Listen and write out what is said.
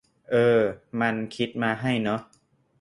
เออ มันคิดมาให้เนอะ